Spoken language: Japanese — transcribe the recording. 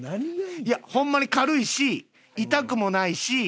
いやホンマに軽いし痛くもないし。